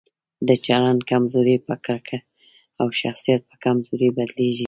د چلند کمزوري په کرکټر او شخصیت په کمزورۍ بدليږي.